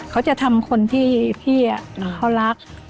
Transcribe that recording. เขาจะทำคนที่พี่เขารัก